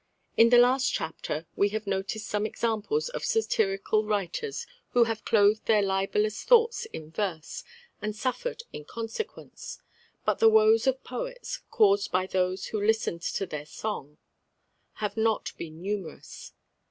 In the last chapter we have noticed some examples of satirical writers who have clothed their libellous thoughts in verse, and suffered in consequence. But the woes of poets, caused by those who listened to their song, have not been numerous.